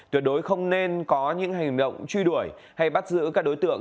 tuyệt đối không nên có những hành động truy đuổi hay bắt giữ các đối tượng